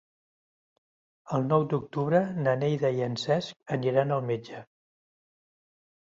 El nou d'octubre na Neida i en Cesc aniran al metge.